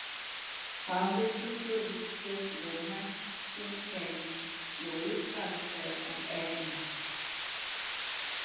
Founders included Steve Lehman, Tim Kelly, Louise Palanker and Ed Mann.